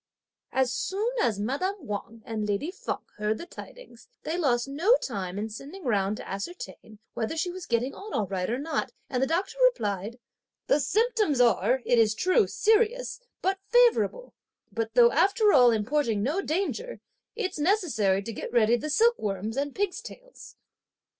As soon as madame Wang and lady Feng heard the tidings, they lost no time in sending round to ascertain whether she was getting on all right or not, and the doctor replied: "The symptoms are, it is true, serious, but favourable; but though after all importing no danger, it's necessary to get ready the silkworms and pigs' tails."